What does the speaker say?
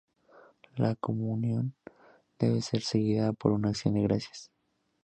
La comunión debe ser seguida por una acción de gracias.